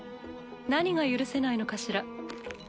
何が許せないのかしら？